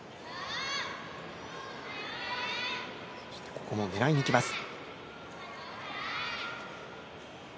ここも狙いに行きます。